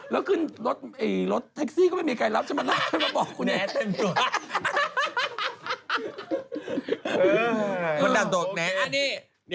แล้วรถแท็กซี่ก็ไงดีมาได้ยิ่งมาเริ่มเรามาบอกครับ